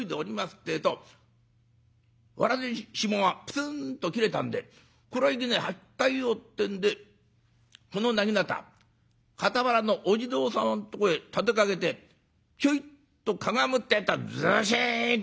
ってえとわらじのひもがプツンと切れたんで「こらいけねえ。履き替えよう」ってんでこのなぎなた傍らのお地蔵さんのとこへ立てかけてひょいっとかがむってえとずしんと。